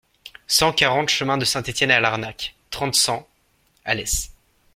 cent quarante chemin de Saint-Etienne à Larnac, trente, cent, Alès